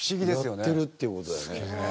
やってるっていう事だよね。